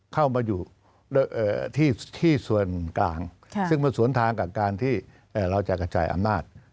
เข้ามาอยู่ที่ส่วนกลางซึ่งมันสวนทางกับการที่เราจะกระจายอำนาจ